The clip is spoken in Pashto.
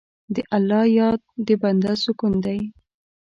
د الله یاد د بنده سکون دی.